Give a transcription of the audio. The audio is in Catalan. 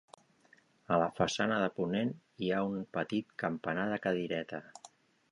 A la façana de ponent hi ha un petit campanar de cadireta.